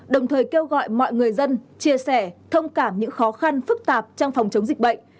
đồng thời kêu gọi mọi người dân chia sẻ thông cảm những khó khăn phức tạp trong phòng chống dịch bệnh